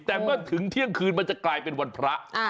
แต่เมื่อถึงเที่ยงคืนมันจะกลายเป็นวันพระ